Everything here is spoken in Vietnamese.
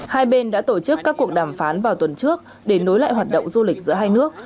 hai bên đã tổ chức các cuộc đàm phán vào tuần trước để nối lại hoạt động du lịch giữa hai nước